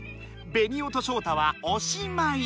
ベニオとショウタは「おしまい」。